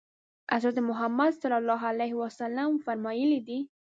حضرت محمد صلی الله علیه وسلم فرمایلي دي.